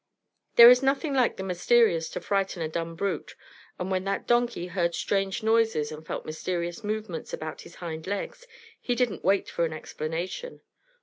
There is nothing like the mysterious to frighten a dumb brute, and when that donkey heard strange noises and felt mysterious movements about his hind legs, he didn't wait for an explanation.